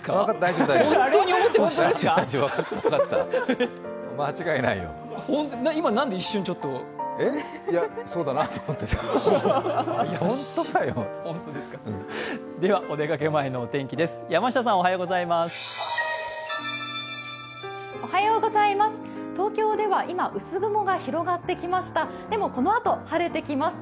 お出かけ前のお天気です。